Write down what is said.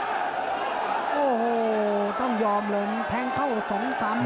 ติดตามยังน้อยกว่า